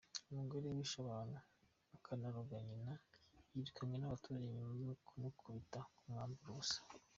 Umugore wishe abantu akanaroga nyina yirukanwe n’abaturage nyuma yo kumukubita bamwambuye ubusa.